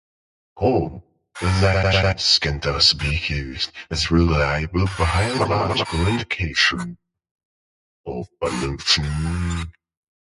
Lichens can thus be used as reliable biological indicators of pollution.